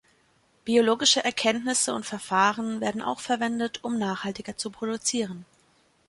Biologische Erkenntnisse und Verfahren werden auch verwendet, um nachhaltiger zu produzieren.